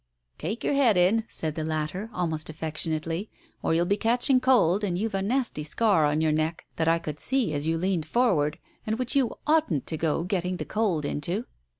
"Take your head in," said the latter, almost affection ately, "or you'll be catching cold, and you've a nasty scar on your neck that I could see as you leaned forward, and which you oughtn't to go getting the cold into."